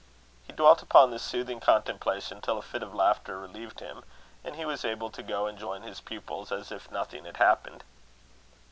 He dwelt upon this soothing contemplation till a fit of laughter relieved him, and he was able to go and join his pupils as if nothing had happened.